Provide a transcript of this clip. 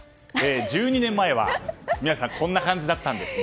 １２年前は、宮司さんこんな感じだったんですね。